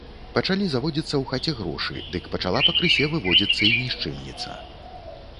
Пачалі заводзіцца ў хаце грошы, дык пачала пакрысе выводзіцца і нішчымніца.